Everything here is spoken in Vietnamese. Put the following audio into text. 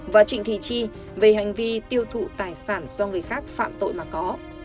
và trịnh thị chi về hành vi tiêu thụ tài sản do người khác phạm tội mà có